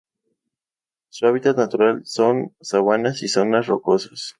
Su hábitat natural son: Sabanas y zonas rocosas.